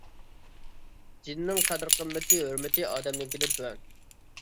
جىننىڭ قەدرى قىممىتى، ھۆرمىتى ئادەمنىڭكىدىن تۆۋەن.